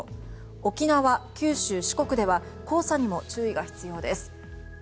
沖縄、九州、四国では黄砂にも注意が必要です。